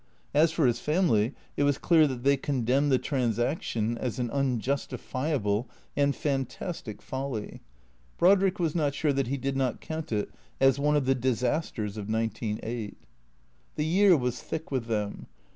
As for his family, it was clear that they condemned the transaction as an unjustifiable and fantastic folly. Brodrick was not sure that he did not count it as one of the disasters of nineteen eight. The year was thick with them.